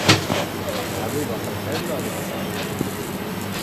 Aveva un fratello Aleksandr.